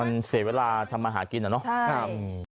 มันเสียเวลาทำมาหากินเหรอเนอะครับใช่